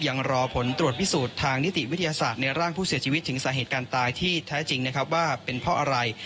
ยังรอผลตรวจพิสูจน์ทางนิติวิทยาศาสตร์ในร่างผู้เสียชีวิตถึงสาเหตุการณ์ตายที่แท้จริงนะครับว่าเป็นเพราะอะไร